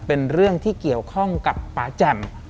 เป็นเรื่องที่เกี่ยวข้องกับป่าแจ่ม